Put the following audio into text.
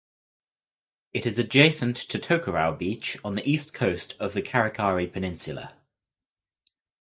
It is adjacent to Tokerau Beach on the east coast of the Karikari Peninsula.